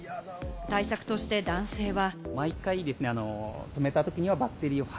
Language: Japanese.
対策として男性は。